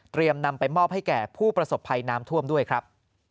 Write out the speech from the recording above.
นำไปมอบให้แก่ผู้ประสบภัยน้ำท่วมด้วยครับ